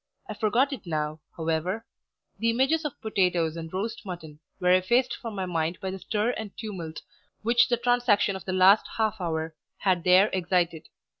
I forgot it now, however; the images of potatoes and roast mutton were effaced from my mind by the stir and tumult which the transaction of the last half hour had there excited.